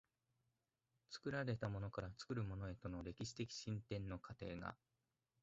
作られたものから作るものへとの歴史的進展の過程が、